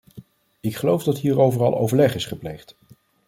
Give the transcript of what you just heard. Ik geloof dat hierover al overleg is gepleegd.